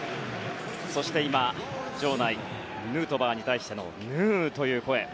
そして今、場内ヌートバーに対してのヌーという声。